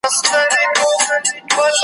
اوس دېوالونه هم غوږونه لري .